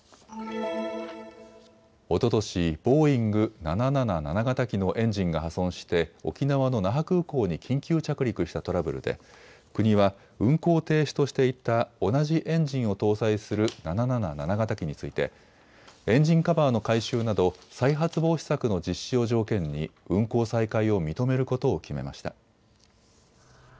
おととしボーイング７７７型機のエンジンが破損して沖縄の那覇空港に緊急着陸したトラブルで国は運航停止としていた同じエンジンを搭載する７７７型機についてエンジンカバーの改修など再発防止策の実施を条件に運航再開を認めることを決めました。